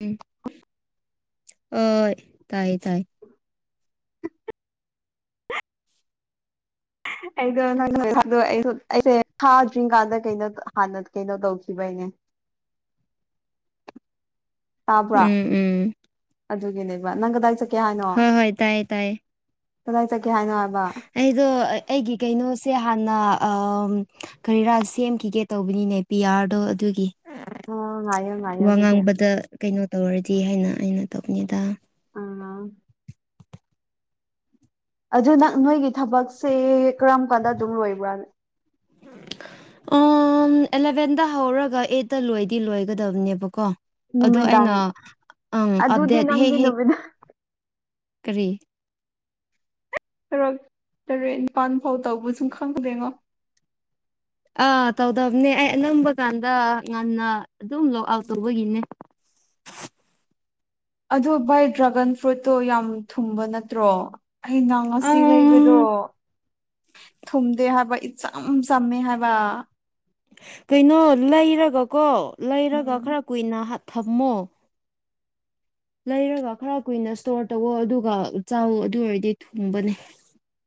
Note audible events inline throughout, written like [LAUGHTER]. ꯎꯝ ꯍꯣꯏ ꯇꯥꯏꯌꯦ ꯇꯥꯏ ꯑꯩꯗꯣ ꯑꯩꯁꯦ ꯊꯥꯗ꯭ꯔꯤ ꯀꯥꯟꯗ ꯀꯩꯅꯣ ꯍꯥꯟꯅ ꯀꯩꯅꯣ ꯇꯧꯈꯤꯕꯩꯅꯦ [INAUDIBLE] ꯇꯥꯕ꯭ꯔꯥ ꯎꯝ ꯎꯝ ꯑꯗꯨꯒꯤꯅꯦꯕ ꯅꯪ ꯀꯗꯥꯏ ꯆꯠ ꯆꯠꯀꯦ ꯍꯥꯏꯅꯣ ꯍꯣꯏ ꯍꯣꯏ ꯇꯥꯏꯌꯦ ꯇꯥꯏꯌꯦ ꯀꯗꯥꯏ ꯆꯠꯀꯦ ꯍꯥꯏꯅꯣ ꯍꯥꯏꯕ ꯑꯩꯗꯣ ꯑꯩꯒꯤ ꯀꯩꯅꯣꯁꯦ ꯍꯥꯟꯅ ꯀꯔꯤꯔꯥ ꯁꯦꯝꯈꯤꯒꯦ ꯇꯧꯕꯅꯤꯅꯦ ꯄꯤꯌꯥꯔꯗꯣ ꯑꯗꯨꯒꯤ ꯑꯣ ꯉꯥꯏꯌꯣ ꯉꯥꯏꯌꯣ ꯋꯥ ꯑꯗꯨꯗꯤ ꯉꯥꯡꯕꯗ ꯀꯩꯅꯣ ꯇꯧꯔꯗꯤ ꯍꯥꯏꯅ ꯑꯩꯅ ꯇꯧꯅꯤꯗ ꯑ ꯑꯗꯨ ꯅꯪ ꯅꯣꯏꯒꯤ ꯊꯕꯛꯁꯦ ꯀꯔꯝ ꯀꯥꯟꯗ ꯑꯗꯨꯝ ꯂꯣꯏꯕ꯭ꯔꯥꯅ ꯑꯦꯂꯚꯦꯟꯗ ꯍꯧꯔꯒ ꯑꯩꯠꯇ ꯂꯣꯏꯗꯤ ꯂꯣꯏꯒꯗꯕꯅꯦꯕꯀꯣ ꯑꯗꯣ ꯅꯨꯃꯤꯗꯥꯡ ꯑꯩꯅ ꯑꯪ ꯑꯗꯨꯗꯤ ꯑꯞꯗꯦꯠ ꯍꯦꯛ ꯅꯪꯒꯤ ꯍꯦꯛ ꯅꯨꯃꯤꯗꯥꯡ ꯀꯔꯤ ꯈꯔ ꯇꯔꯦꯠ ꯅꯤꯄꯥꯜ ꯐꯥꯎ ꯇꯧꯕꯁꯨ ꯈꯪꯗꯦꯉꯣ ꯑꯥ ꯇꯧꯗꯕꯅꯦ ꯑꯩ ꯑꯅꯝꯕ ꯀꯥꯟꯗ ꯉꯟꯅ ꯑꯗꯨꯝ ꯂꯣꯛ ꯑꯥꯎꯠ ꯇꯧꯕꯒꯤꯅꯦ ꯑꯗꯨ ꯚꯥꯏ ꯗ꯭ꯔꯥꯒꯟ ꯐ꯭ꯔꯨꯏꯠꯇꯣ ꯌꯥꯝ ꯊꯨꯝꯕ ꯅꯠꯇ꯭ꯔꯣ ꯑꯩꯅꯥ ꯉꯁꯤ ꯑꯝ ꯂꯩꯕꯗꯣ ꯊꯨꯝꯗꯦ ꯍꯥꯏꯕ ꯏ ꯆꯝ ꯆꯝꯃꯦ ꯍꯥꯏꯕ ꯀꯩꯅꯣ ꯂꯩꯔꯒ ꯀꯣ ꯂꯩꯔꯒ ꯎꯝ ꯈꯔ ꯀꯨꯏꯅ ꯊꯝꯃꯣ ꯂꯩꯔꯒ ꯈꯔ ꯀꯨꯏꯅ ꯏꯁꯇꯣꯔ ꯇꯧꯋꯣ ꯑꯗꯨꯒ ꯆꯥꯎ ꯑꯗꯨ ꯑꯣꯏꯔꯗꯤ ꯊꯨꯡꯕꯅꯦ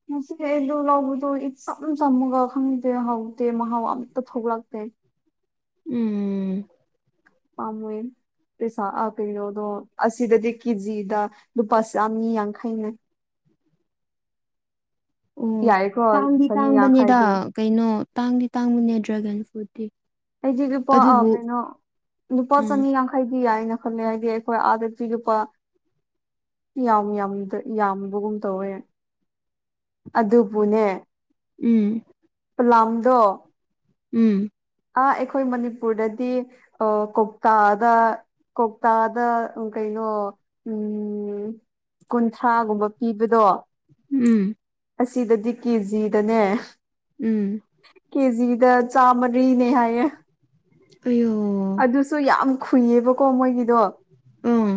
ꯉꯁꯤ ꯑꯩꯗꯣ ꯂꯧꯕꯗꯣ ꯏꯆꯝ ꯆꯝꯃꯒ ꯈꯪꯗꯦ ꯍꯥꯎꯇꯦ ꯃꯍꯥꯎ ꯑꯝꯇ ꯊꯣꯛꯂꯛꯇꯦ ꯎꯝ ꯄꯥꯝꯃꯣꯏ ꯄꯩꯁꯥ ꯀꯩꯅꯣꯗꯣ ꯑꯁꯤꯗꯗꯤ ꯀꯦꯖꯤꯗ ꯂꯨꯄꯥ ꯆꯥꯝꯃ ꯌꯥꯡꯈꯩꯅꯦ ꯑꯣ ꯌꯥꯏꯀꯣ ꯇꯥꯡꯗꯤ ꯆꯅꯤ ꯇꯥꯡꯕꯅꯤꯗ ꯌꯥꯡꯈꯩꯗꯤ ꯀꯩꯅꯣ ꯇꯥꯡꯗꯤ ꯇꯥꯡꯕꯅꯦ ꯗ꯭ꯔꯦꯒꯟ ꯐ꯭ꯔꯨꯠꯇꯤ ꯑꯩꯗꯤ ꯂꯨꯄꯥ ꯑꯗꯨꯕꯨ ꯀꯩꯅꯣ ꯅꯨꯄꯥ ꯎꯝ ꯆꯅꯤ ꯌꯥ ꯍꯥꯏꯗꯤ ꯑꯅ ꯈꯜꯂꯦ ꯍꯥꯏꯗꯤ ꯑꯩꯈꯣꯏ ꯑꯥꯗ ꯄꯤꯔꯨꯄ ꯌꯥꯝ ꯌꯥꯝ ꯌꯥꯝꯕꯒꯨꯝ ꯇꯧꯋꯦ ꯑꯗꯨꯕꯨꯅꯦ ꯎꯝ ꯄ꯭ꯂꯥꯡꯗꯣ ꯎꯝ ꯑ ꯑꯩꯈꯣꯏ ꯃꯅꯤꯄꯨꯔꯗꯗꯤ ꯀꯧꯇꯥꯗ ꯀꯧꯇꯥꯗ ꯀꯩꯅꯣ ꯎꯝ ꯀꯨꯟꯊ꯭ꯔꯥꯒꯨꯝꯕ ꯄꯤꯕꯗꯣ ꯎꯝ ꯑꯁꯤꯗꯗꯤ ꯀꯤꯖꯤꯗꯅꯦ ꯎꯝ ꯀꯦꯖꯤꯗ ꯆꯥꯃꯔꯤꯅꯦ ꯍꯥꯏꯌꯦ ꯑꯌꯣ ꯑꯗꯨꯁꯨ ꯌꯥꯝ ꯈꯨꯨꯏꯌꯦꯕꯀꯣ ꯃꯣꯏꯒꯤꯗꯣ ꯑꯥ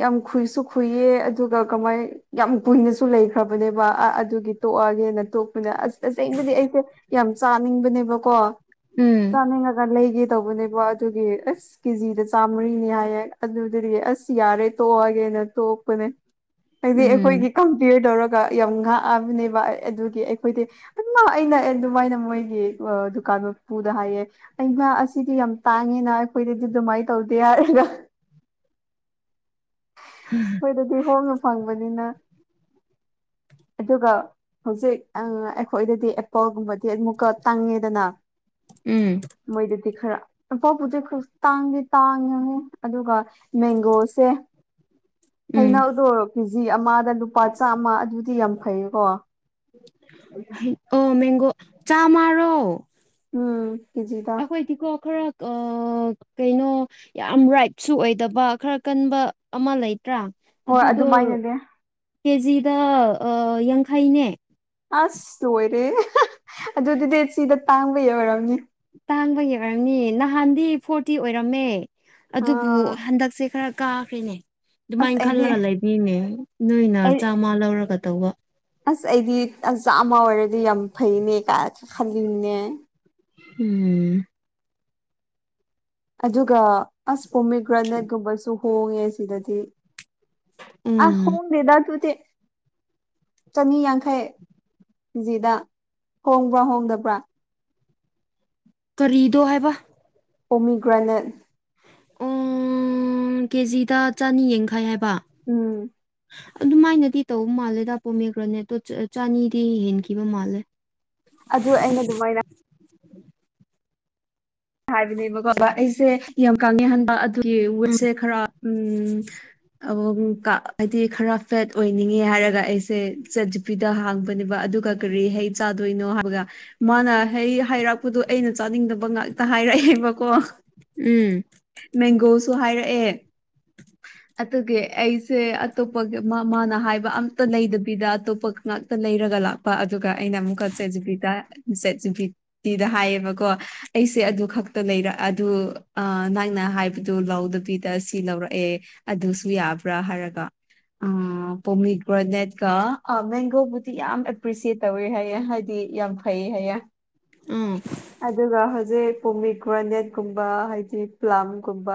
ꯌꯥꯝ ꯈꯨꯨꯏꯁꯨ ꯈꯨꯨꯏꯌꯦ ꯑꯗꯨꯒ ꯀꯃꯥꯏ ꯌꯥꯝ ꯀꯨꯏꯅꯁꯨ ꯂꯩꯈ꯭ꯔꯕꯅꯦꯕ ꯑ ꯑꯗꯨꯒꯤ ꯇꯣꯛꯑꯒꯦꯅ ꯇꯣꯛꯄꯅ ꯑꯁ ꯇꯁꯦꯡꯕꯗꯤ ꯑꯩꯁꯦ ꯌꯥꯝ ꯆꯥꯅꯤꯡꯕꯅꯦꯕꯀꯣ ꯎꯝ ꯈꯪꯅꯤꯡꯉꯒ ꯂꯩꯒꯦ ꯇꯧꯕꯅꯦꯕ ꯑꯗꯨꯒꯤ ꯑꯁ ꯀꯦꯖꯤꯗ ꯆꯥꯝꯃꯔꯤꯅꯤ ꯍꯥꯏꯌꯦꯦ ꯑꯗꯨꯗꯤ ꯑꯁ ꯌꯥꯔꯦ ꯇꯣꯛꯑꯒꯦꯅ ꯇꯣꯛꯄꯅꯦ ꯍꯥꯏꯗꯤ ꯎꯝ ꯑꯩꯈꯣꯏꯒꯤ ꯀꯝꯄꯤꯌꯔ ꯇꯧꯔꯒ ꯌꯥꯝ ꯉꯥꯛꯑꯕꯅꯦꯕ ꯑꯗꯨꯒꯤ ꯑꯩꯈꯣꯏꯗꯤ ꯑꯗꯨꯃ ꯑꯩꯅ ꯑꯗꯨꯃꯥꯏꯅ ꯃꯣꯏꯒꯤ ꯗꯨꯀꯥꯟ ꯃꯄꯨꯗ ꯍꯥꯏꯌꯦ ꯑꯩꯃꯥ ꯑꯁꯤꯗꯤ ꯌꯥꯝ ꯇꯥꯡꯉꯦꯅ ꯑꯩꯈꯣꯏꯗꯗꯤ ꯑꯗꯨꯃꯥꯏꯅ ꯇꯧꯗꯦ ꯍꯥꯏꯔꯒ ꯑꯈꯣꯏꯗꯗꯤ ꯍꯣꯡꯅ ꯐꯪꯕꯅꯤꯅ ꯑꯗꯨꯒ ꯍꯧꯖꯤꯛ ꯑ ꯑꯩꯈꯣꯏꯗꯗꯤ ꯑꯦꯄꯜꯒꯨꯝꯕꯗꯤ ꯑꯃꯨꯛꯀ ꯇꯥꯡꯉꯦꯗꯅ ꯎꯝ ꯃꯣꯏꯗꯗꯤ ꯈꯔ ꯄꯣꯠꯄꯨꯗꯤ ꯈꯨꯇꯥꯡꯗꯤ ꯇꯥꯡꯉꯦꯉꯣ ꯑꯗꯨꯒ ꯃꯦꯡꯒꯣꯁꯦ ꯎꯝ ꯍꯩꯅꯧꯗꯣ ꯀꯦꯖꯤ ꯑꯃꯗ ꯂꯨꯄꯥ ꯆꯥꯝꯃ ꯑꯗꯨꯗꯤ ꯌꯥꯝ ꯐꯩꯌꯦ ꯀꯣ ꯑꯣ ꯃꯦꯡꯒꯣ ꯆꯥꯃꯔꯣ ꯎꯝ ꯀꯦꯖꯤꯗ ꯑꯈꯣꯏꯗꯤꯀꯣ ꯈꯔ ꯀꯩꯅꯣ ꯌꯥꯝ ꯔꯥꯏꯞꯁꯨ ꯑꯣꯏꯗꯕ ꯈꯔ ꯀꯟꯕ ꯑꯃ ꯂꯩ ꯇ꯭ꯔꯥ ꯍꯣꯏ ꯑꯗꯨꯗꯣ ꯑꯗꯨꯃꯥꯏꯅꯅꯦ ꯀꯦꯖꯤꯗ ꯑ ꯌꯥꯡꯈꯩꯅꯦ ꯑꯁ ꯂꯣꯏꯔꯦ ꯑꯗꯨꯗꯨꯗꯤ ꯁꯤꯗ ꯇꯥꯡꯕ ꯌꯥ ꯑꯣꯏꯔꯝꯅꯦ ꯇꯥꯡꯕ ꯌꯦꯛꯈꯝꯅꯤ ꯅꯍꯥꯟꯗꯤ ꯐꯣꯔꯇꯤ ꯑꯣꯏꯔꯝꯃꯦ ꯑꯗꯨꯕꯨ ꯑꯥ ꯍꯟꯗꯛꯁꯦ ꯈꯔ ꯀꯥꯈ꯭ꯔꯦꯅꯦ ꯑꯁ ꯑꯗꯨꯃꯥꯏꯅ ꯑꯩꯗꯤ ꯈꯜꯂꯒ ꯂꯩꯕꯤꯅꯦ ꯅꯣꯏꯅ ꯑꯩ ꯆꯥꯝꯃ ꯂꯧꯔꯒ ꯇꯧꯕ ꯑꯁ ꯑꯩꯗꯤ ꯑꯆꯥꯥ ꯑꯃ ꯑꯣꯏꯔꯗꯤ ꯌꯥꯝ ꯐꯩꯅꯦ ꯈꯜꯂꯤꯅꯦ ꯎꯝ ꯑꯗꯨꯒ ꯑꯁꯄꯣꯃꯤꯒ꯭ꯔꯅꯦꯠ ꯀꯨꯝꯕꯁꯨ ꯍꯣꯡꯉꯦ ꯁꯤꯗꯗꯤ ꯑ ꯎꯝ ꯍꯣꯡ ꯗꯦꯗꯥ ꯇꯨ ꯆꯅꯤ ꯌꯥꯡꯈꯩ ꯀꯦꯖꯤꯗ ꯍꯣꯡꯕ꯭ꯔꯥ ꯍꯣꯡꯗꯕ꯭ꯔꯥ ꯀꯔꯤꯗꯣ ꯍꯥꯏꯕ ꯄꯣꯝꯃꯤꯒ꯭ꯔꯦꯅꯦꯠ ꯑꯣ ꯀꯦꯖꯤꯗ ꯆꯅꯤ ꯌꯥꯡꯈꯩ ꯍꯥꯏꯕ ꯎꯝ ꯑꯗꯨꯃꯥꯏꯅꯗꯤ ꯇꯧꯕ ꯃꯥꯜꯂꯦꯗ ꯄꯣꯝꯃꯦꯈ꯭ꯔꯅꯦꯠꯇꯨ ꯆꯥꯅꯤꯗꯤ ꯍꯦꯟꯈꯤꯕ ꯃꯥꯜꯂꯦ ꯑꯗꯨ ꯑꯩꯅ ꯑꯗꯨꯃꯥꯏꯅ ꯍꯥꯏꯕꯅꯦꯕꯀꯣꯕ ꯑꯩꯁꯦ ꯌꯥꯝ ꯀꯥꯡꯉꯍꯟꯕ ꯑꯗꯨꯒꯤ ꯎꯝ ꯋꯨꯠꯁꯦ ꯈꯔ ꯎꯝ ꯑ ꯍꯥꯏꯗꯤ ꯈꯔ ꯐꯦꯠ ꯑꯣꯏꯅꯤꯡꯉꯦ ꯍꯥꯏꯔꯒ ꯑꯩꯁꯦ ꯆꯠ ꯖꯤ ꯄꯤꯗ ꯍꯥꯡꯕꯅꯦꯕ ꯑꯗꯨꯒ ꯀꯔꯤ ꯍꯩ ꯆꯥꯗꯣꯏꯅꯣ ꯍꯥꯏꯕꯒ ꯃꯥꯅ ꯍꯩ ꯍꯥꯏꯔꯛꯄꯗꯨꯣ ꯑꯩꯅ ꯆꯥꯅꯤꯡꯗꯕ ꯉꯥꯛꯇ ꯍꯥꯏꯔꯛꯑꯦꯕꯀꯣ ꯎꯝ ꯃꯦꯡꯒꯣꯁꯨ ꯍꯥꯏꯔꯛꯑꯦ ꯑꯗꯨꯒꯤ ꯑꯩꯁꯦ ꯑꯇꯣꯞꯄꯒꯤ ꯃꯥꯅ ꯍꯥꯏꯕ ꯑꯝꯇ ꯂꯩꯗꯕꯤꯗ ꯑꯇꯣꯞꯄ ꯉꯛꯇ ꯂꯩꯔꯒ ꯂꯥꯛꯄ ꯑꯗꯨꯒ ꯑꯩꯅ ꯑꯃꯨꯛꯀ ꯆꯦꯠ ꯖꯤꯕꯤꯗ ꯆꯦꯠ ꯖꯤꯄꯤꯇꯤꯗ ꯍꯥꯏꯌꯦꯕꯀꯣ ꯑꯩꯁꯦ ꯑꯗꯨ ꯈꯛꯇ ꯂꯩꯔ ꯑꯗꯨ ꯑꯥ ꯅꯪꯅ ꯍꯥꯏꯕꯗꯨ ꯂꯧꯥꯎꯗꯕꯤꯗ ꯁꯤ ꯂꯧꯔꯛꯑꯦ ꯑꯗꯨꯁꯨ ꯌꯥꯕ꯭ꯔꯥ ꯍꯥꯏꯔꯒ ꯑ ꯄꯣꯃꯤ ꯒ꯭ꯔꯣꯅꯦꯠꯀ ꯑ ꯃꯦꯡꯒꯣꯕꯨꯗꯤ ꯌꯥꯝ ꯑꯦꯄ꯭ꯔꯤꯁꯤꯌꯦꯠ ꯇꯧꯋꯦ ꯍꯥꯏꯌꯦ ꯍꯥꯏꯗꯤ ꯌꯥꯝ ꯐꯩ ꯍꯌꯦ ꯑꯥ ꯑꯗꯨꯒ ꯍꯧ ꯁꯦ ꯄꯣꯃꯤ ꯒ꯭ꯔꯅꯦꯠꯀꯨꯝꯕ ꯍꯥꯏꯗꯤ ꯄ꯭ꯂꯂꯝꯒꯨꯝꯕ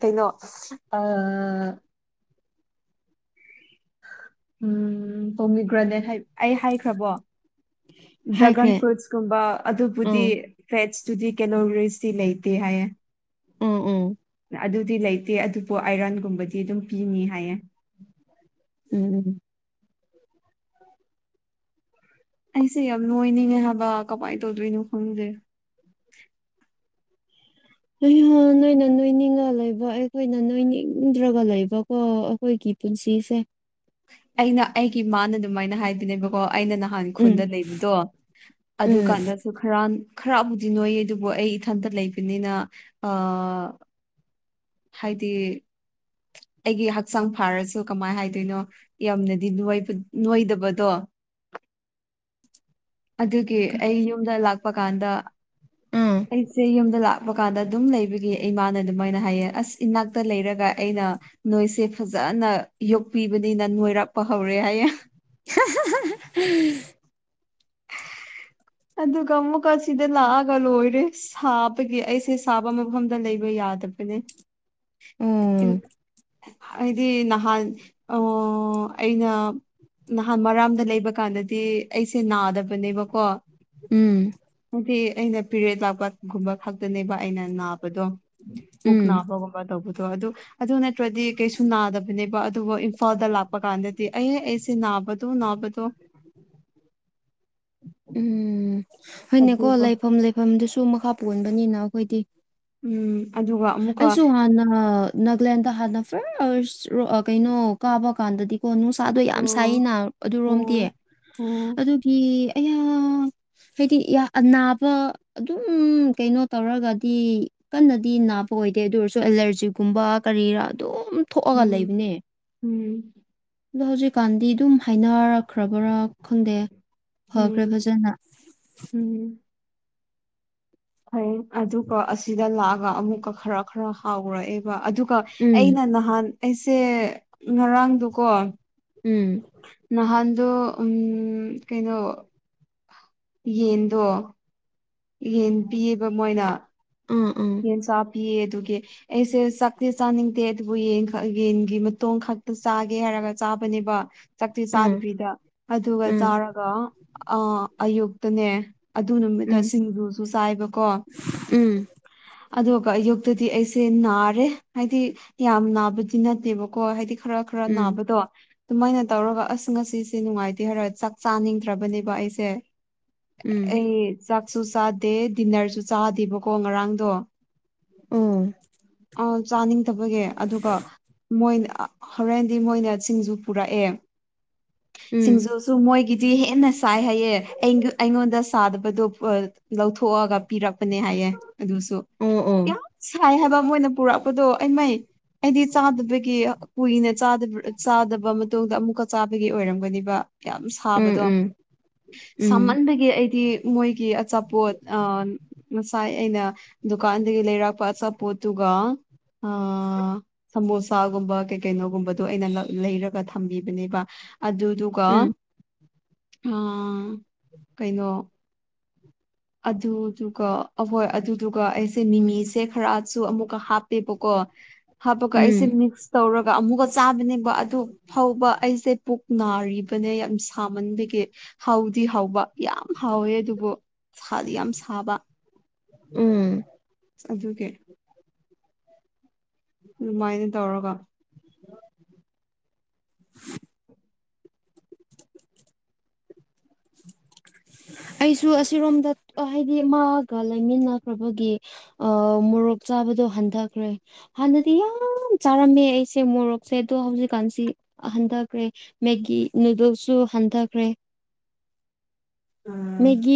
ꯀꯩꯅꯣ ꯑ ꯎꯝ ꯍꯃꯤꯒ꯭ꯔꯅꯦꯠ ꯍꯥꯏ ꯑꯩ ꯍꯥꯏꯈ꯭ꯔꯕꯣ ꯗ꯭ꯔꯥꯒꯟ ꯍꯥꯏꯈ꯭ꯔꯦ ꯐ꯭ꯔꯨꯏꯠꯁꯀꯨꯝꯕ ꯑꯗꯨꯕꯨꯗꯤ ꯑꯥ ꯚꯦꯖ :ꯇꯨꯗꯤ ꯀꯦꯂꯣꯕꯦꯔꯤꯁꯇꯤ ꯂꯩꯇꯦ ꯍꯥꯏꯌꯦ ꯎ ꯑꯣ ꯑꯗꯨꯗꯤ ꯂꯩꯇꯦ ꯑꯗꯨꯕꯨ ꯑꯥꯏꯔꯟꯒꯨꯝꯕꯗꯤ ꯑꯗꯨꯝ ꯄꯤꯅꯤ ꯍꯥꯏꯌꯦ ꯎꯝ ꯑꯩꯁꯦ ꯌꯥꯝ ꯅꯨꯡꯉꯥꯏꯅꯤꯡꯉꯦ ꯍꯥꯏꯕ ꯀꯃꯥꯏꯅ ꯇꯧꯗꯣꯏꯅꯣ ꯈꯪꯗꯦ ꯑꯩ ꯅꯣꯏꯅ ꯅꯣꯏꯅꯤꯡꯉ ꯂꯩꯕ ꯑꯩꯈꯣꯏꯅ ꯅꯣꯏꯅꯤꯡꯗ꯭ꯔꯒ ꯂꯩꯕꯀꯣ ꯑꯩꯈꯣꯏꯒꯤ ꯄꯨꯟꯁꯤꯁꯦ ꯑꯩꯅ ꯑꯩꯒꯤꯃꯅ ꯑꯗꯨꯃꯥꯏꯅ ꯍꯥꯏꯗꯣꯏꯅꯦꯕꯀꯣ ꯑꯩꯅ ꯅꯍꯥꯟ ꯎꯝ ꯈꯨꯟꯗ ꯂꯩꯕꯗꯣ ꯑꯗꯨ ꯎꯝ ꯀꯥꯟꯗꯁꯨ ꯈꯔ ꯈꯔꯕꯨꯗꯤ ꯅꯣꯏꯌꯦ ꯑꯗꯨꯕꯨ ꯑꯩ ꯏꯊꯟꯇ ꯂꯩꯕꯅꯤꯅ ꯑ ꯍꯥꯏꯗꯤ ꯑꯩꯒꯤ ꯍꯛꯆꯥꯡ ꯐꯥꯔꯁꯨ ꯀꯃꯥꯏꯅ ꯍꯥꯏꯗꯣꯏꯅꯣ ꯌꯥꯝꯅꯗꯤ ꯅꯣꯏꯗꯕꯗꯣ ꯑꯗꯨꯒꯤ ꯑꯩ ꯌꯨꯝꯗ ꯂꯥꯛꯄ ꯀꯥꯟꯗ ꯑꯥ ꯑꯩꯁꯦ ꯌꯨꯝꯗ ꯂꯥꯛ ꯍꯥꯞꯄ ꯀꯥꯟꯗ ꯑꯗꯨꯝ ꯂꯩꯕꯒꯤ ꯏꯃꯥꯅ ꯑꯗꯨꯃꯥꯏꯅ ꯍꯥꯏꯌꯦ ꯑꯁ ꯏꯅꯥꯛꯇ ꯂꯩꯔꯒ ꯑꯩꯅ ꯅꯣꯏꯁꯦ ꯐꯖꯅ ꯌꯣꯛꯄꯤꯕꯅꯤꯅ ꯅꯣꯏꯔꯥꯛꯄ ꯍꯧꯔꯦ ꯍꯥꯏꯌꯦꯦ [UNINTELLIGIBLE] ꯑꯗꯨꯒ ꯑꯃꯨꯛꯀ ꯁꯤꯗ ꯂꯥꯛꯑꯒ ꯂꯣꯏꯔꯦ ꯁꯥꯕꯒꯤ ꯑꯩꯁꯦ ꯁꯥꯕ ꯃꯐꯝꯗ ꯂꯩꯕ ꯌꯥꯗꯕꯥ ꯕꯅꯦ ꯑꯣ ꯑꯩ ꯍꯥꯏꯗꯤ ꯅꯍꯥꯟ ꯑ ꯑꯩꯅ ꯅꯍꯥꯟ ꯃꯔꯥꯝꯗ ꯂꯩꯕ ꯀꯥꯟꯗꯗꯤ ꯑꯩꯁꯦ ꯅꯥꯗꯕꯅꯦꯕꯀꯣ ꯎꯝ ꯍꯥꯏꯗꯤ ꯑꯩꯅ ꯄꯦꯔꯦꯗ ꯂꯥꯛꯄꯒꯨꯝꯕ ꯈꯛꯇꯅꯦꯕ ꯑꯩꯅ ꯅꯥꯕꯗꯣ ꯄꯨꯛ ꯎꯝ ꯅꯥꯕꯒꯨꯝꯕ ꯇꯧꯕꯗꯣ ꯑꯗꯨ ꯑꯗꯨ ꯅꯠꯇ꯭ꯔꯗꯤ ꯀꯩꯁꯨ ꯅꯥꯗꯕꯅꯦꯕ ꯑꯗꯨꯕꯨ ꯏꯝꯐꯥꯜꯗ ꯂꯥꯛꯄ ꯀꯥꯟꯗꯗꯤ ꯑꯩ ꯑꯦꯁꯤꯦ ꯅꯥꯕꯗꯨꯣ ꯅꯅꯥꯕꯗꯨꯣ ꯎꯝ ꯍꯅꯦ ꯀꯣ ꯑꯗꯨꯒ ꯂꯩ ꯐꯝ ꯂꯩ ꯃꯐꯝꯗꯨꯁꯨ ꯃꯈꯥ ꯄꯣꯟꯕꯅꯤꯅ ꯑꯩꯈꯣꯏꯗꯤ ꯎꯝ ꯑꯗꯨꯒ ꯑꯃꯨꯛꯀ ꯑꯩꯁꯨ ꯍꯥꯟꯅ ꯅꯥꯒꯂꯦꯟꯗ ꯍꯥꯟꯅ ꯐꯔꯥ ꯀꯩꯅꯣ ꯀꯥꯕ ꯀꯥꯟꯗꯗꯤ ꯀꯣ ꯅꯨꯡ ꯆꯥꯗꯣ ꯌꯥꯝ ꯑꯣ ꯁꯥꯏꯅ ꯑꯗꯨꯔꯣꯝꯗꯤ ꯎꯝ ꯎꯝ ꯑꯗꯨꯒꯤ ꯑꯌꯥ ꯍꯥꯏꯗꯤ ꯅꯥꯕ ꯑꯗꯨꯝ ꯀꯩꯅꯣ ꯇꯧꯔꯒꯗꯤ ꯀꯟꯅꯗꯤ ꯅꯥꯕ ꯑꯣꯏ ꯑꯣꯏꯗꯦ ꯑꯗꯨ ꯑꯣꯏꯔꯁꯨ ꯑꯦꯂꯔꯖꯤꯛꯒꯨꯝꯕ ꯀꯔꯤꯔꯥ ꯑꯗꯨꯝ ꯊꯣꯛꯑꯒ ꯎꯝ ꯂꯩꯕꯅꯦ ꯎꯝ ꯑꯗꯣ ꯍꯧꯖꯤꯛꯀꯥꯟꯗꯤ ꯑꯗꯨꯝ ꯍꯥꯏꯅꯔꯛꯈ꯭ꯔꯕ꯭ꯔꯥ ꯈꯪꯗꯦ ꯐꯈ꯭ꯔꯦ ꯎꯝ ꯐꯖꯅ ꯍꯝ ꯍꯩ ꯑꯗꯨꯒ ꯑꯁꯤꯗ ꯂꯥꯛꯑꯒ ꯑꯃꯨꯛꯀ ꯈꯔ ꯈꯔ ꯍꯥꯎꯔꯛꯑꯦꯕ ꯑꯗꯨꯒ ꯎꯝ ꯑꯩꯅ ꯅꯍꯥꯟ ꯑꯩꯁꯦ ꯉꯔꯥꯡꯗꯨꯀꯣ ꯎꯝ ꯅꯍꯥꯟꯗꯣ ꯎ ꯀꯩꯅꯣ ꯌꯦꯟꯗꯣ ꯌꯦꯟ ꯄꯤꯌꯦꯕ ꯃꯣꯏꯅ ꯎꯝ ꯎꯝ ꯁ ꯄ ꯇꯦꯁꯦ ꯁꯛꯇ ꯁꯥꯟꯅꯤꯡꯦꯕꯨ ꯌꯦ ꯌꯦꯟꯒꯤ ꯃꯇꯣꯟ ꯈꯛꯇ ꯆꯥꯒꯦ ꯍꯥꯏꯔꯒ ꯆꯥꯕꯅꯦꯕ ꯆꯥꯛꯛꯇꯤ ꯎꯝ ꯆꯥꯗꯕꯤꯗ ꯑꯗꯨꯒ ꯎꯝ ꯆꯥꯔꯒ ꯑ ꯑꯌꯨꯛꯇꯅꯦ ꯑꯗꯨ ꯅꯨꯃꯤꯠꯇ ꯁꯤꯡꯖꯨꯁꯨ ꯆꯥꯏꯕꯀꯣ ꯎꯝ ꯑꯗꯨꯒ ꯑꯌꯨꯛꯇꯗꯤ ꯑꯩꯁꯦ ꯅꯥꯔꯦ ꯍꯥꯏꯗꯤ ꯌꯥꯝ ꯅꯥꯕꯗꯤ ꯅꯠꯇꯦꯕꯀꯣ ꯍꯥꯏꯗꯤ ꯈꯔ ꯈꯔ ꯎꯝ ꯅꯥꯕꯗꯣ ꯑꯗꯨꯃꯥꯏꯅ ꯇꯧꯔꯒ ꯑꯁ ꯉꯁꯤꯁꯦ ꯅꯨꯡꯉꯥꯏꯇꯦ ꯍꯥꯏꯔ ꯆꯥꯛ ꯆꯥꯅꯤꯡ ꯐꯠꯇ꯭ꯔꯕꯅꯦꯕ ꯑꯩꯁꯦ ꯎꯝ ꯑꯩ ꯆꯥꯛꯁꯨ ꯆꯥꯗꯦ ꯗꯤꯟꯅꯔꯁꯨ ꯆꯥꯗꯦꯕꯀꯣ ꯉꯔꯥꯡꯗꯣ ꯎꯝ ꯑ ꯆꯥꯅꯤꯡꯊꯕꯒꯤ ꯑꯗꯨꯒ ꯃꯣꯏꯅ ꯍꯣꯔꯦꯟꯗꯤ ꯃꯣꯏꯅ ꯁꯤꯡꯁꯨ ꯄꯨꯔꯛꯑꯦ ꯎꯝ ꯁꯤꯡꯖꯨꯁꯨ ꯃꯣꯏꯒꯤꯗꯤ ꯍꯦꯟꯅ ꯆꯥꯏ ꯍꯥꯏꯌꯦ ꯑꯩ ꯑꯩꯉꯣꯟꯗ ꯁꯥꯗꯕꯗꯣ ꯂꯧꯊꯣꯛꯑꯒ ꯄꯤꯔꯛꯄꯅꯦ ꯍꯥꯏ ꯑꯗꯨꯁꯨ ꯑꯣ ꯑꯣ ꯌꯥꯝ ꯁꯥꯏ ꯍꯥꯏꯕ ꯃꯣꯏꯅ ꯄꯨꯔꯛꯄꯗꯣ ꯑꯩ ꯃꯩ ꯍꯥꯏꯗꯤ ꯆꯥꯗꯕꯒꯤ ꯀꯨꯏꯅ ꯆꯥꯗꯕ ꯃꯇꯨꯡꯗ ꯑꯃꯨꯛꯀ ꯆꯥꯕ ꯑꯣꯏꯔꯝꯒꯅꯤꯕ ꯌꯥꯝ ꯎꯝ ꯁꯥꯕꯗꯣ ꯎꯝ ꯎꯝ ꯁꯥꯍꯟꯕꯒꯤ ꯑꯩꯗꯤ ꯃꯣꯏꯒꯤ ꯑꯆꯥꯄꯣꯠ ꯑ ꯉꯁꯥꯏ ꯑꯩꯅ ꯗꯨꯀꯥꯟꯗꯒꯤ ꯂꯩꯔꯛꯄ ꯑꯆꯥꯄꯣꯠꯇꯨꯒ ꯑ ꯁꯃꯣꯁꯥꯒꯨꯝꯕ ꯀꯩ ꯀꯩꯅꯣꯒꯨꯝꯕꯗꯣ ꯑꯩꯅ ꯂꯩꯔꯒ ꯊꯝꯕꯤꯕꯅꯦꯕ ꯑꯗꯨꯗꯨ ꯑꯗꯨꯒ ꯎꯝ ꯀꯩꯅꯣ ꯑꯗꯨꯗꯨꯒ ꯑꯍꯣꯏ ꯑꯗꯨꯗꯨꯒ ꯑꯩꯁꯦ ꯃꯤꯃꯤꯁꯦ ꯈꯔꯁꯨ ꯑꯃꯨꯛꯀ ꯍꯥꯞꯄꯦꯕꯀꯣ ꯍꯥꯞꯄꯒ ꯑꯩꯁꯦ ꯎꯝ ꯃꯤꯛꯁ ꯇꯧꯔꯒ ꯑꯃꯨꯛꯀ ꯆꯥꯕꯅꯦꯕ ꯑꯗꯨ ꯐꯥꯎꯕ ꯑꯩꯁꯦ ꯄꯨꯛ ꯅꯥꯔꯤꯕꯅꯦ ꯌꯥꯝ ꯁꯥꯃꯟꯕꯒꯤ ꯍꯥꯎꯗꯤ ꯍꯥꯎꯕ ꯌꯥꯝ ꯍꯥꯎꯋꯦ ꯑꯗꯨꯕꯨ ꯁꯥꯗꯤ ꯌꯥꯝ ꯁꯥꯕ ꯎꯝ ꯑꯗꯨꯒꯤ ꯑꯗꯨꯃꯥꯏꯅ ꯇꯧꯔꯒ ꯑꯩꯁꯨ ꯑꯁꯤꯔꯣꯝꯗ ꯍꯥꯏꯗꯤ ꯃꯥꯒ ꯂꯩꯃꯤꯟꯅꯈ꯭ꯔꯕꯒꯤ ꯑ ꯃꯣꯔꯣꯛ ꯆꯥꯕꯗꯣ ꯍꯟꯊꯈ꯭ꯔꯦ ꯍꯥꯟꯅꯗꯤ ꯌꯥꯝ ꯆꯥꯔꯝꯃꯦ ꯑꯩꯁꯦ ꯃꯣꯔꯣꯛꯁꯦ ꯑꯗꯣ ꯍꯧꯖꯤꯛꯀꯥꯟꯁꯤ ꯍꯟꯊꯈ꯭ꯔꯦ ꯃꯦꯒꯤ ꯅꯨꯗꯜꯁꯨ ꯍꯟꯊꯈ꯭ꯔꯦ ꯎꯝ ꯃꯦꯒꯤ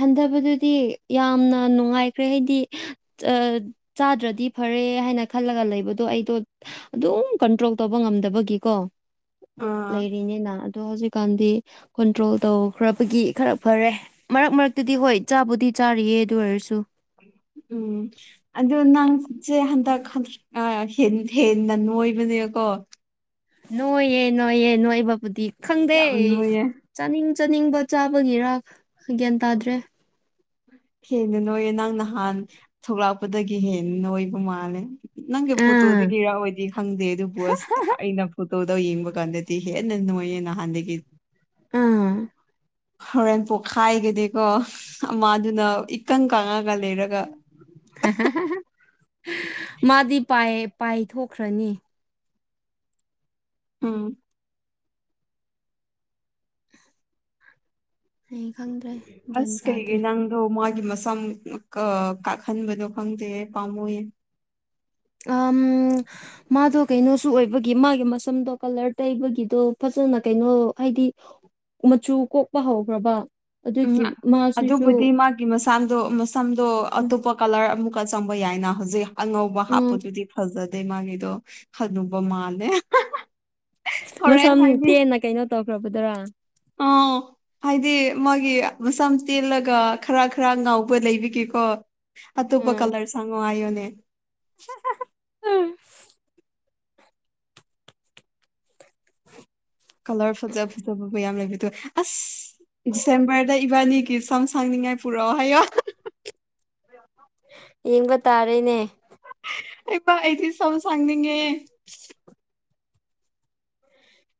ꯍꯟꯊꯕꯗꯨꯗꯤ ꯌꯥꯝꯅ ꯅꯨꯡꯉꯥꯏꯈ꯭ꯔꯦ ꯍꯥꯏꯗꯤ ꯆꯥꯗ꯭ꯔꯗꯤ ꯐꯔꯦ ꯍꯥꯏꯅ ꯈꯜꯂꯒ ꯂꯩꯕꯗꯣ ꯑꯩꯗꯣ ꯑꯗꯨꯝ ꯀꯟꯇ꯭ꯔꯣꯜ ꯇꯧꯕ ꯉꯝꯗꯕꯒꯤꯀꯣ ꯑ ꯂꯩꯔꯤꯅꯤꯅ ꯑꯗꯣ ꯍꯧꯖꯤꯛꯀꯥꯟꯗꯤ ꯀꯟꯇ꯭ꯔꯣꯜ ꯇꯧꯈ꯭ꯔꯕꯒꯤ ꯈꯔ ꯐꯔꯦ ꯃꯔꯛ ꯃꯔꯛꯇꯗꯤ ꯍꯣꯏ ꯆꯥꯕꯨꯗꯤ ꯆꯥꯔꯤꯌꯦ ꯑꯗꯨ ꯑꯣꯏꯔꯁꯨ ꯎꯝ ꯑꯗꯨꯣ ꯅꯪꯠꯁꯦ ꯍꯟꯗꯛꯟ ꯍꯦꯟꯅ ꯅꯣꯏꯕꯅꯦꯕꯀꯣ ꯅꯣꯏꯌꯦ ꯅꯣꯏꯌꯦ ꯅꯣꯏ ꯕꯥꯕꯨꯗꯤ ꯈꯪꯗꯦ ꯌꯥꯝ ꯅꯣꯏꯌꯦ ꯆꯥꯅꯤꯡ ꯆꯥꯅꯤꯡꯕ ꯆꯥꯕꯒꯤꯔꯥꯛ ꯒ꯭ꯌꯥꯟ ꯇꯥꯗ꯭ꯔꯦ ꯍꯦꯟꯅ ꯅꯣꯏꯌꯦꯦ ꯅꯪ ꯅꯍꯥꯟ ꯊꯣꯛꯂꯛꯄꯗꯒꯤ ꯍꯦꯟꯅ ꯅꯣꯏꯕ ꯃꯥꯜꯂꯦ ꯅꯪꯒꯤ ꯑꯥ ꯐꯣꯇꯣꯗꯒꯤꯔꯥꯑꯣꯏꯗꯤ ꯈꯪꯗꯦ ꯑꯗꯨꯕꯨ ꯑꯁ ꯑꯩꯅ ꯀ ꯇꯧꯗꯣ ꯌꯦ ꯏꯡꯕ ꯀꯥꯟꯗꯦꯇꯤ ꯍꯦ ꯅꯣꯏ ꯅꯅꯥꯍꯥꯟꯗꯦꯒꯤ ꯑꯥ ꯍꯣꯔꯦꯟ ꯄꯣꯛꯈꯥꯏꯒꯅꯤꯀꯣ ꯑꯃꯥꯗꯨꯅ ꯏꯀꯪ ꯀꯪꯉꯒ ꯂꯩꯔꯒ ꯃꯥꯗꯤ ꯄꯥꯏꯊꯈ꯭ꯔꯅꯤ ꯎꯝ ꯑꯩ ꯈꯪꯗ꯭ꯔꯦ ꯒ꯭ꯌꯥꯟ ꯑꯁ ꯀꯩꯒꯤ ꯇꯥꯗ꯭ꯔꯦ ꯅꯪ ꯑꯗꯣ ꯃꯥꯒꯤ ꯃꯁꯝ ꯀꯥꯍꯟꯕꯗꯣ ꯈꯪꯗꯦ ꯄꯥꯝꯃꯨꯌꯦ ꯑ ꯃꯥꯗꯣ ꯀꯩꯅꯣꯁꯨ ꯑꯣꯏꯕꯒꯤ ꯃꯥꯒꯤ ꯃꯁꯝꯗꯣ ꯀꯂꯔ ꯇꯩꯕꯒꯤꯗꯣ ꯐꯖꯅ ꯀꯩꯅꯣ ꯍꯥꯏꯗꯤ ꯃꯆꯨ ꯀꯣꯛꯄ ꯍꯧꯈ꯭ꯔꯕ ꯎꯝ ꯑꯗꯨꯒꯤ ꯃꯥꯁꯤꯁꯨ ꯑꯗꯨꯕꯨꯗꯤ ꯃꯥ ꯃꯁꯥꯗꯣ ꯃꯁꯝꯗꯣ ꯎꯝ ꯑꯇꯣꯞꯄ ꯀꯂꯔ ꯑꯃꯨꯛꯀ ꯆꯪꯕ ꯌꯥꯏꯅ ꯍꯧꯖꯤꯛ ꯑꯉꯧꯕ ꯎꯝ ꯍꯥꯞꯄꯗꯨꯗꯤ ꯐꯖꯗꯦ ꯃꯥꯒꯤꯗꯣ ꯈꯅꯨꯕ ꯃꯥꯜꯂꯦ ꯍꯧꯔꯦꯟ ꯃꯁꯝ ꯍꯥꯏꯗꯤ ꯇꯦꯟꯅ ꯀꯩꯅꯣ ꯇꯧꯈ꯭ꯔꯕꯗꯨꯔꯥ ꯑꯥ ꯍꯥꯏꯗꯤ ꯃꯥꯒꯤ ꯃꯁꯝ ꯇꯦꯜꯂꯒ ꯈꯔ ꯈꯔ ꯉꯥꯎꯕ ꯂꯩꯕꯒꯦꯀꯣ ꯑꯇꯣꯞꯄ ꯎꯝ ꯀꯂꯔ ꯁꯪꯉꯣ ꯍꯥꯏꯌꯣꯅꯦ [UNINTELLIGIBLE] ꯀꯂꯔ ꯐꯖꯕ ꯐꯖꯕꯕꯨ ꯌꯥꯝ ꯂꯩꯕꯤꯗꯣ ꯑꯁ ꯗꯤꯁꯦꯝꯕꯔꯗ ꯏꯕꯥꯅꯤꯒꯤ ꯏꯁꯝ ꯁꯥꯡꯅꯤꯡꯉꯥꯏ ꯄꯨꯔꯛꯑꯣ ꯍꯥꯏꯌꯣ ꯌꯦꯡꯕ ꯇꯥꯔꯦꯅꯦ ꯑꯩꯕ ꯑꯩꯗꯤ ꯁꯝ ꯁꯥꯡꯅꯤꯡꯉꯦ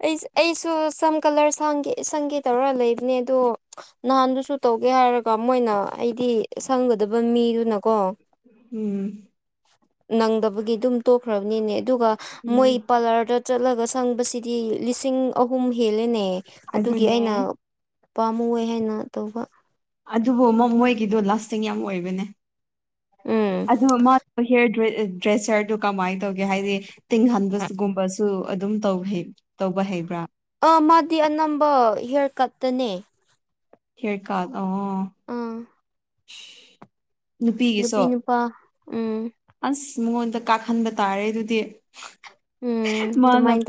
ꯑꯩ ꯑꯩꯁꯨ ꯁꯝ ꯀꯂꯔ ꯁ‌ꯪꯒ‌ꯦ ꯁꯪꯒꯦ ꯇꯧꯔ ꯂꯩꯕꯅꯦ ꯑꯗꯣ ꯅꯍꯥꯟꯗꯨꯁꯨ ꯇꯧꯒꯦ ꯍꯥꯏꯔꯒ ꯃꯣꯏꯅ ꯑꯩꯗꯤ ꯁꯪꯒꯗꯕ ꯃꯤꯗꯨꯅꯀꯣ ꯎꯝ ꯅꯪꯗꯕꯒꯤ ꯑꯗꯨꯝ ꯇꯣꯛꯈ꯭ꯔꯕꯅꯤꯅꯦ ꯑꯗꯨꯒ ꯃꯣꯏ ꯎꯝ ꯄꯥꯂꯔꯗ ꯆꯠꯂꯒ ꯁꯪꯕꯁꯤꯗꯤ ꯂꯤꯁꯤꯡ ꯑꯍꯨꯝ ꯍꯦꯜꯂꯦꯅꯦ ꯑꯗꯨꯒꯤ ꯑꯗꯨꯅꯦ ꯑꯩꯅ ꯄꯥꯝꯃꯨꯌ‌ꯦ ꯍꯥꯏꯅ ꯇꯧꯕ ꯑꯗꯨꯕꯨ ꯃ‌ꯣꯏ ꯃꯣꯏꯒꯤꯗꯣ ꯂꯥꯁꯇꯤꯡ ꯌꯥꯝ ꯑꯣꯏꯕꯅꯦ ꯎꯝ ꯑꯗꯨ ꯃꯥ ꯍꯤꯌꯔ ꯗ꯭ꯔ‌ꯦ ꯗ꯭ꯔꯦꯁꯔꯗꯨ ꯀꯃꯥꯏꯅ ꯇꯧꯒꯦ ꯍꯥꯏꯗꯤ ꯇꯤꯡꯍꯟꯕꯁꯨ ꯒꯨꯝꯕꯁꯨ ꯑꯗꯨꯝ ꯇꯧ ꯍꯩ ꯇꯧꯕ ꯍꯩꯕ꯭ꯔꯥ ꯑꯥ ꯃꯥꯗꯤ ꯑꯅꯝꯕ ꯍꯤꯌꯥꯔ ꯀꯠꯇꯅꯦ ꯍꯤꯌꯥꯔ ꯀꯠ ꯑꯣ ꯑꯥ ꯅꯨꯄꯤꯒꯤꯁꯨ ꯅꯨꯄꯤ ꯅꯨꯄꯥ ꯎꯝ ꯑꯁ ꯃꯉꯣꯟꯗ ꯀꯥꯛꯍꯟꯕ ꯇꯥꯔꯦ ꯑꯗꯨꯗꯤ ꯎꯝ ꯃꯥꯅ ꯑꯗꯨꯃꯥꯏꯟ